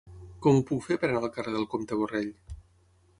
Com ho puc fer per anar al carrer del Comte Borrell?